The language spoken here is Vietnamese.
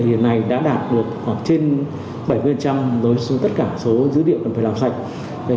hiện nay đã đạt được khoảng trên bảy mươi với tất cả số dữ liệu cần phải làm sạch